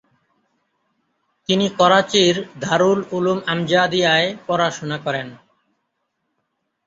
তিনি করাচির দারুল উলূম আমজাদিয়ায় পড়াশুনা করেন।